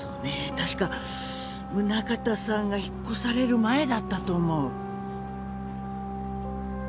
確か宗形さんが引っ越される前だったと思う。